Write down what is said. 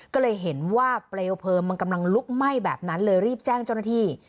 ก็เลยเห็นว่าเปลวเพลิงมันกำลังลุกไหม้แบบนั้นเลยรีบแจ้งเจ้าหน้าที่